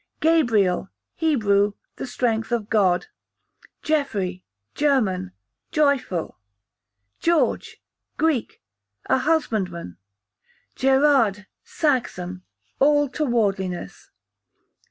Gabriel, Hebrew, the strength of God. Geoffrey, German, joyful. George, Greek, a husbandman. Gerard, Saxon, all towardliness.